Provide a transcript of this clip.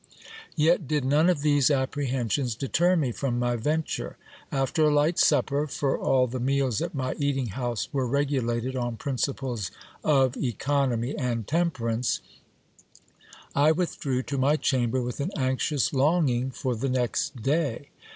Yet did none of these apprehensions deter me from my venture. After a light supper, for all the meals at my eating house were regulated on principles of economy and temperance, I withdrew to my chamber with an anxious longing for the next day.